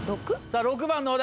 ６？６番のお題